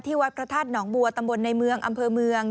วัดพระธาตุหนองบัวตำบลในเมืองอำเภอเมือง